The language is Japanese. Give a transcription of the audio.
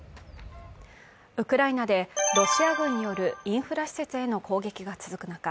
ウクライナでロシア軍によるインフラ施設への攻撃が続く中